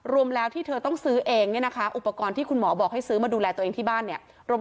รวมแล้วที่เธอต้องซื้อเองเนี่ยนะคะอุปกรณ์ที่คุณหมอบอกให้ซื้อมาดูแลตัวเองที่บ้านเนี่ย